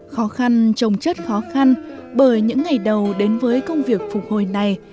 khó khăn trồng chất khó khăn bởi những ngày đầu đến với công việc phục hồi này